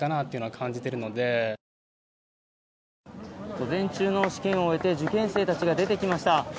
午前中の試験を終えて受験生たちが出てきました。